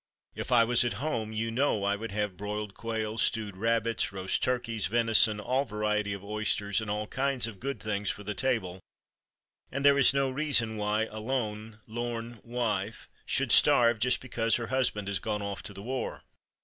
If I was at home you know I would have broiled quails, stewed rabbits, roast turkeys, venison, all varieties of oysters, and all kinds of good things for the table, and there is no reason why 'a lone, lorn' wife should starve just because her husband has gone off to the war.